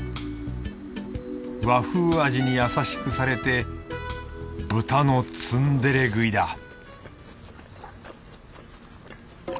和風味に優しくされて豚のツンデレ食いだ